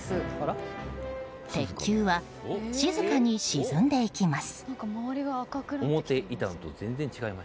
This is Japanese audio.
鉄球は静かに沈んでいきます。